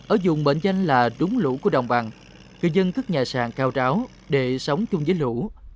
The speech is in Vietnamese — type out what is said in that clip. ở dùng mệnh danh là đúng lũ của đồng bằng người dân cất nhà sàn cao tráo để sống chung với lũ